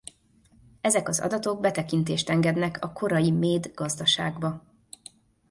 Ezek az adatok betekintést engednek a korai méd gazdaságba.